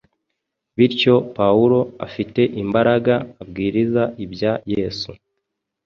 Bityo Pawulo afite imbaraga abwiriza ibya Yesu